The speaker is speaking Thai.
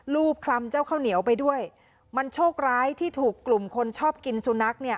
บคลำเจ้าข้าวเหนียวไปด้วยมันโชคร้ายที่ถูกกลุ่มคนชอบกินสุนัขเนี่ย